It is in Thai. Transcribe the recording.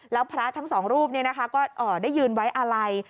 แล้วพระทั้ง๒รูปได้ยืนไว้อะไล